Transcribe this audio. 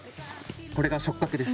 これが触角です。